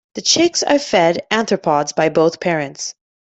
The chicks are fed arthropods by both parents.